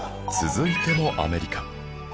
続いてもアメリカ